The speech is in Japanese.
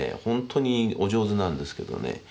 本当にお上手なんですけどね